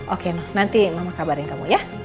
aku selesai meeting aku mau pulang ya ma